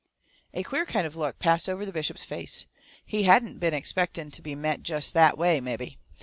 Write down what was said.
A queer kind of look passed over the bishop's face. He hadn't expected to be met jest that way, mebby.